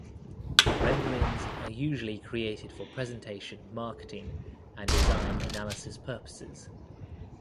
Renderings are usually created for presentation, marketing and design analysis purposes.